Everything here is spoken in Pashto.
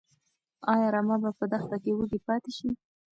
ايا رمه به په دښته کې وږي پاتې شي؟